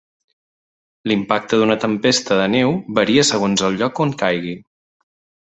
L'impacte d'una tempesta de neu varia segons el lloc on caigui.